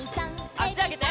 あしあげて。